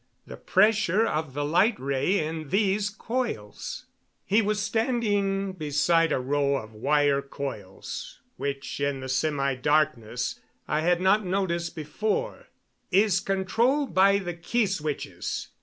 The pressure of the light ray in these coils" he was standing beside a row of wire coils which in the semidarkness I had not noticed before "is controlled by the key switches."